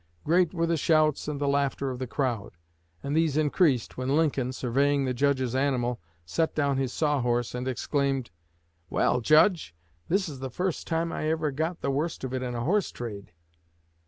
Great were the shouts and the laughter of the crowd; and these increased, when Lincoln, surveying the Judge's animal, set down his saw horse, and exclaimed: "Well, Judge, this is the first time I ever got the worst of it in a horse trade!"